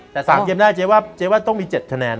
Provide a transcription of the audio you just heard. แต่๓เกมหน้าเจ๊ว่าต้องมี๗แทนแนน